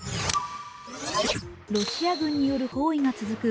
ロシア軍による包囲が続く